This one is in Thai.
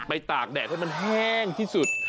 ตากแดดให้มันแห้งที่สุด